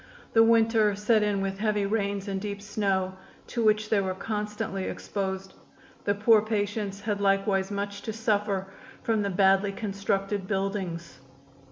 The winter set in with heavy rains and deep snow, to which they were constantly exposed. The poor patients had likewise much to suffer from the badly constructed buildings.